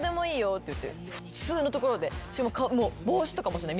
普通の所で帽子とかもしない。